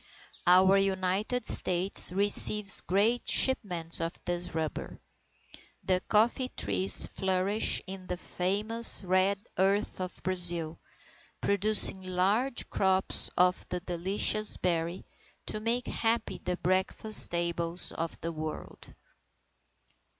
Our United States receives great shipments of this rubber. The coffee trees flourish in the famous red earth of Brazil, producing large crops of the delicious berry, to make happy the breakfast tables of the world.